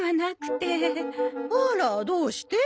あらどうして？